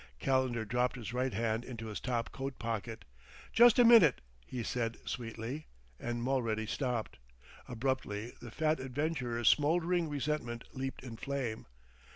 Calendar dropped his right hand into his top coat pocket. "Just a minute," he said sweetly, and Mulready stopped. Abruptly the fat adventurer's smoldering resentment leaped in flame.